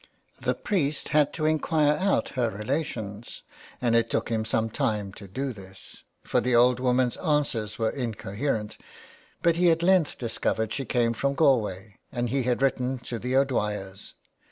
The priest had to inquire out her relations, and it took him some time to do this, for the old woman's answers were incoherent, but he at length discovered she came from Galway, and he had written to the O'Dwyers.